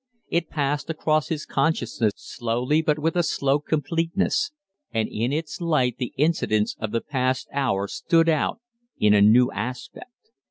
It passed across his consciousness slowly but with a slow completeness; and in its light the incidents of the past hour stood out in a new aspect.